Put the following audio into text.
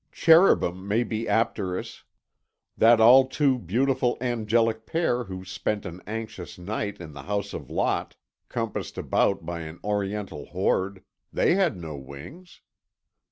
Cherubim may be apterous. That all too beautiful angelic pair who spent an anxious night in the house of Lot compassed about by an Oriental horde they had no wings!